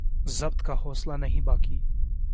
ضبط کا حوصلہ نہیں باقی